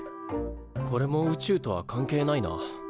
これも宇宙とは関係ないな。